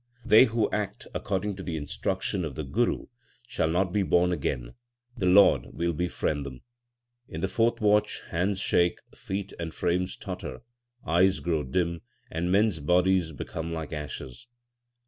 They who act according to the instruction of the Guru shall not be born again ; the Lord will befriend them. In the fourth watch hands shake, feet and frames totter, eyes grow dim, and men s bodies become like ashes.